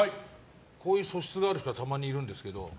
こういう素質のある人がたまにいるんですけど。